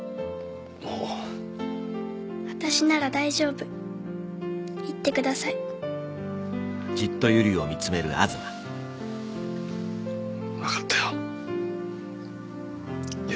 もう私なら大丈夫行ってください分かったよ